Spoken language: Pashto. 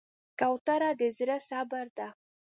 کوتره د زړه صبر ده.